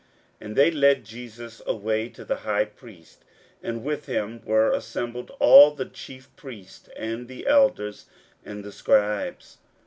41:014:053 And they led Jesus away to the high priest: and with him were assembled all the chief priests and the elders and the scribes.